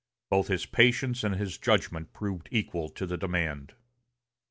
Both his patience and his judgment proved equal to the demand.